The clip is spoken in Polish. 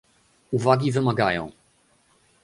Uwagi wymagają